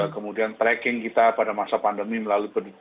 kemudian tracking kita pada masa pandemi melalui pendidikan